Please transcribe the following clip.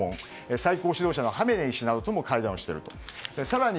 最高指導者のハメネイ師などとも会談をしていると。